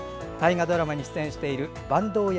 大河ドラマに出演している坂東